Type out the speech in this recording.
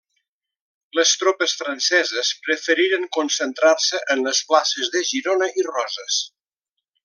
Les tropes franceses preferiren concentrar-se en les places de Girona i Roses.